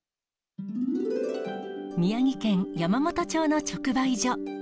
宮城県山元町の直売所。